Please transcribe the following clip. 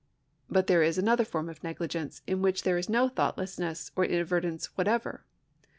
But there is another form of negligence, in which there is no thoughtlessness or inadvertence whatever.